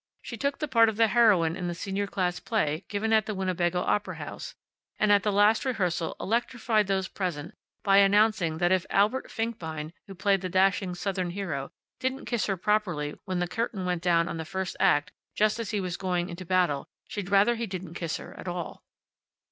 She took the part of the heroine in the senior class play given at the Winnebago opera house, and at the last rehearsal electrified those present by announcing that if Albert Finkbein (who played the dashing Southern hero) didn't kiss her properly when the curtain went down on the first act, just as he was going into battle, she'd rather he didn't kiss her at all.